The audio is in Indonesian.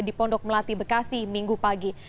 di pondok melati bekasi minggu pagi